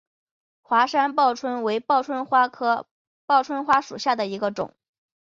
华山报春为报春花科报春花属下的一个种。